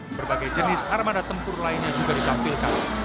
berbagai jenis armada tempur lainnya juga ditampilkan